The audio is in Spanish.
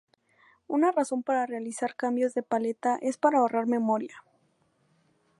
Una razón para realizar cambios de paleta es para ahorrar memoria.